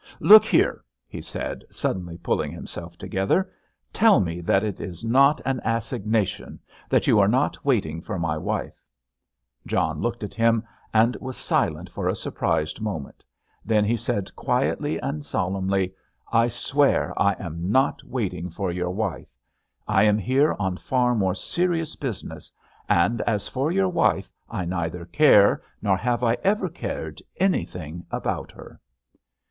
"Look here," he said, suddenly pulling himself together, "tell me that it is not an assignation; that you are not waiting for my wife." John looked at him and was silent for a surprised moment; then he said, quietly and solemnly: "I swear I am not waiting for your wife. I am here on far more serious business, and, as for your wife, I neither care, nor have I ever cared, anything about her."